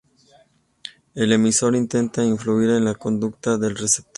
El emisor intenta influir en la conducta del receptor.